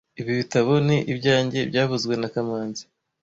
Ibi bitabo ni ibyanjye byavuzwe na kamanzi